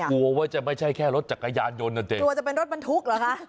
กลัวว่าจะไม่ใช่แค่รถจักรยานยนต์นั่นเองกลัวจะเป็นรถบรรทุกเหรอคะ